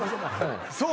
そう